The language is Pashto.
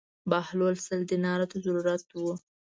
بهلول سل دینارو ته ضرورت و.